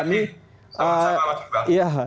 berani selamat malam juga